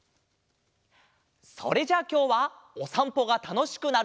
それじゃあきょうはおさんぽがたのしくなる